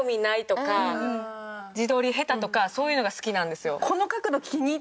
自撮り下手とかそういうのが好きなんですよ。